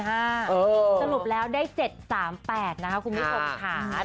สรุปแล้วได้๗๓๘นะครับคุณพี่สมภาษณ์